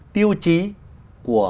tiêu chí của